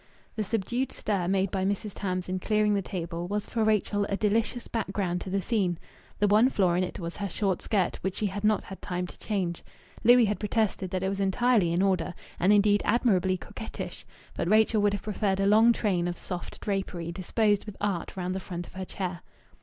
The subdued stir made by Mrs. Tams in clearing the table was for Rachel a delicious background to the scene. The one flaw in it was her short skirt, which she had not had time to change. Louis had protested that it was entirely in order, and indeed admirably coquettish, but Rachel would have preferred a long train of soft drapery disposed with art round the front of her chair.